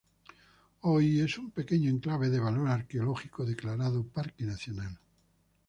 Hoy es un pequeño enclave de valor arqueológico declarado Parque Nacional.